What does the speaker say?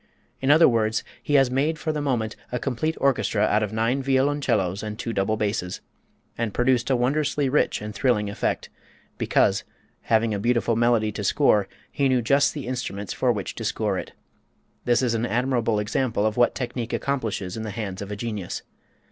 In other words he has made for the moment a complete orchestra out of nine violoncellos and two double basses, and produced a wondrously rich and thrilling effect because, having a beautiful melody to score, he knew just the instruments for which to score it. This is an admirable example of what technique accomplishes in the hands of a genius.